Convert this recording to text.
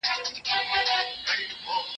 کار تر کار تېر دئ.